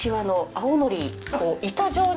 青のり！？